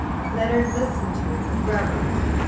Leonard listened to it with reverence.